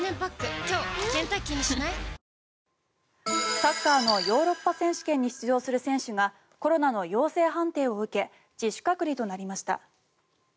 サッカーのヨーロッパ選手権に出場する選手がコロナの陽性判定を受け自主隔離となりました。